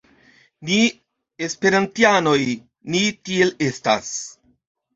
Ni esperantianoj, ni tiel estas